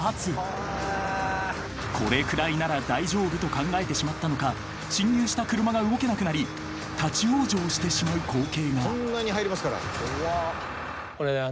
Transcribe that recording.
［これくらいなら大丈夫と考えてしまったのか進入した車が動けなくなり立ち往生してしまう光景が］ありますね。